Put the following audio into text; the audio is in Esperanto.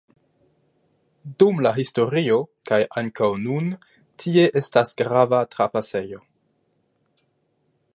Dum la historio, kaj ankaŭ nun tie estas grava trapasejo.